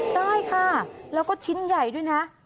ใช่ค่ะแล้วก็ชิ้นใหญ่ด้วยนะ